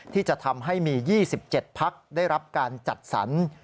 ที่จะทำให้มี๒๗พักได้รับการจัดสรร